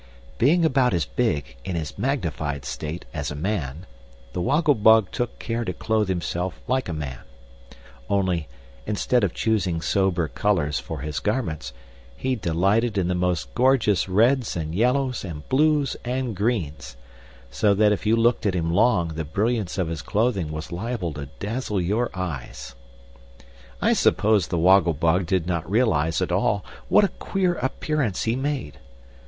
Being about as big, in his magnified state, as a man, the Woggle Bug took care to clothe himself like a man; only, instead of choosing sober colors for his garments, he delighted in the most gorgeous reds and yellows and blues and greens; so that if you looked at him long the brilliance of his clothing was liable to dazzle your eyes. I suppose the Waggle Bug did not realize at all what a queer appearance he made.